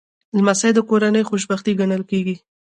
لمسی د کورنۍ خوشبختي ګڼل کېږي.